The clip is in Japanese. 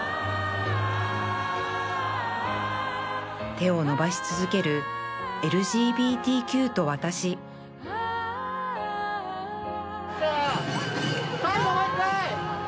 手を伸ばし続ける ＬＧＢＴＱ とわたしでは最後もう一回！